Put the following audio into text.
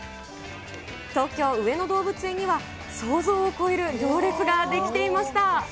東京・上野動物園には、想像を超える行列が出来ていました。